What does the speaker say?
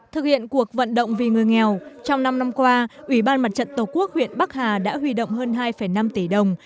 thực hiện cuộc vận động vì người nghèo trong năm năm qua ủy ban mặt trận tổ quốc huyện bắc hà đã huy động hơn hai năm tỷ đồng